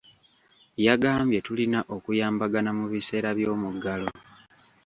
Yagambye tulina okuyambagana mu biseera by'omuggalo.